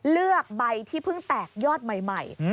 เลือกใบที่เพิ่งแตกยอดใหม่